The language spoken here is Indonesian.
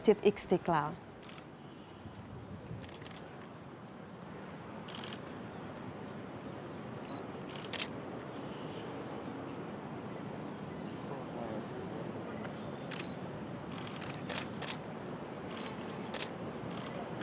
terima kasih kepada presiden widodo